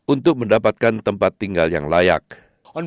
untuk mendapatkan tempat tinggal yang lebih penting